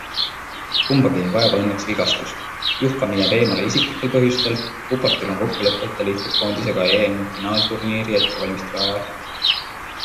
Kumbagi ei vaeva õnneks vigastus, Juhkami jääb eemale isiklikel põhjustel, Pupartil on kokkulepe, et ta liitub koondisega EM-finaalturniiri ettevalmistuse ajal.